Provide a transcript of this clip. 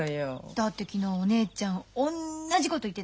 だって昨日お姉ちゃんおんなじこと言ってたよ。